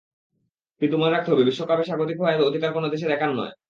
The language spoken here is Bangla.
কিন্তু মনে রাখতে হবে বিশ্বকাপ স্বাগতিক হওয়ার অধিকার কোনো দেশের একার নয়।